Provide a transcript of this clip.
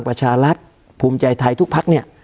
การแสดงความคิดเห็น